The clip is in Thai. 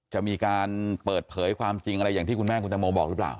จะมีการเปิดเผยความจริงอะไรอย่างที่คุณแม่คุณตังโมบอกหรือเปล่า